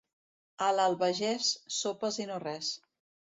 A l'Albagés, sopes i no res.